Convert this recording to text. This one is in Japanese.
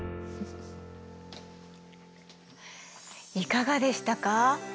いかがでしたか？